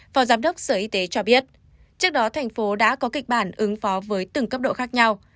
phó giám đốc sở y tế cho biết trước đó thành phố đã có kịch bản ứng phó với từng cấp độ khác nhau